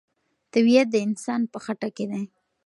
طبیعت د انسان په خټه کې دی.